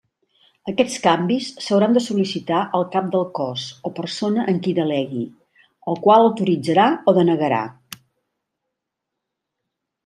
Aquests canvis s'hauran de sol·licitar al Cap del Cos o persona en qui delegui, el qual autoritzarà o denegarà.